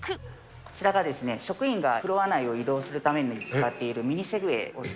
こちらが職員がフロア内を移動するために使っているミニセグ